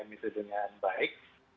itu dengan baik